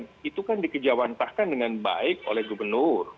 pengetatan itu dikejawantahkan dengan baik oleh gubernur